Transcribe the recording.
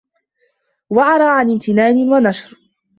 وَعَرَى عَنْ امْتِنَانٍ وَنَشْرٍ